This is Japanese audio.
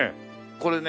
これね